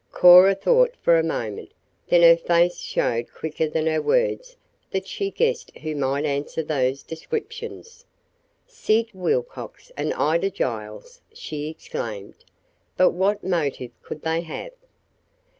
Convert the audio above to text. Cora thought for a moment. Then her face showed quicker than her words that she guessed who might answer those descriptions. "Sid Wilcox and Ida Giles!" she exclaimed. "But what motive could they have?"